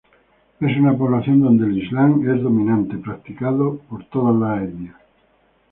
Es una población donde el Islam es dominante, practicado por todas las etnias.